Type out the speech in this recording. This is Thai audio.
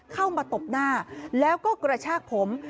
เข้ามาตบหน้าแล้วก็กระชากผม